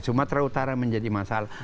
sumatera utara menjadi masalah